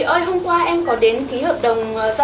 em vừa gọi đến chị là gì